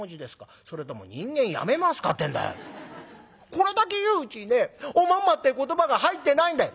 これだけ言ううちにねおまんまって言葉が入ってないんだよ」。